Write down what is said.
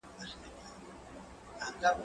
ايا ته موټر کاروې،